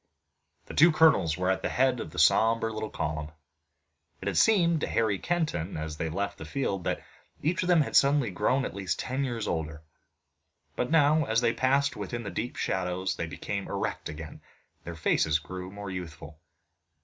The two colonels were at the head of the sombre little column. It had seemed to Harry Kenton as they left the field that each of them had suddenly grown at least ten years older, but now as they passed within the deep shadows they became erect again and their faces grew more youthful.